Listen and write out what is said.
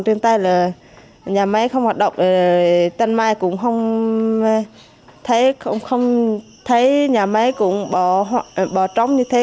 trên tay là nhà máy không hoạt động tân mai cũng không thấy không thấy nhà máy cũng bỏ trống như thế